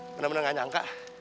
bener bener gak nyangka